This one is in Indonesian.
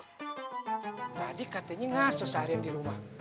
tadi katanya gak sesahirin di rumah